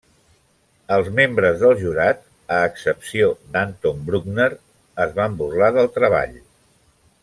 Els membres del jurat -a excepció d'Anton Bruckner- es van burlar del treball.